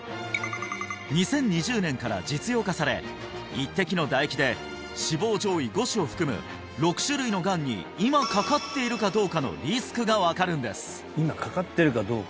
２０２０年から実用化され１滴の唾液で死亡上位５種を含む６種類のがんに今かかっているかどうかのリスクが分かるんです